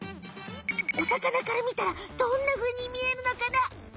お魚からみたらどんなふうにみえるのかな？